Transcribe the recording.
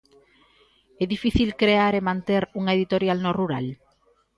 É difícil crear e manter unha editorial no rural?